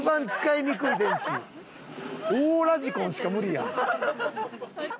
大ラジコンしか無理やん。